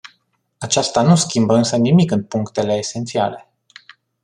Aceasta nu schimbă însă nimic în punctele esențiale.